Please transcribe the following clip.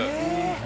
何？